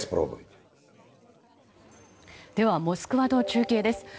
ではモスクワと中継です。